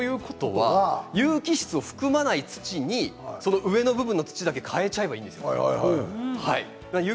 有機質を含まない土に上の部分だけ替えちゃえばいいんですよ。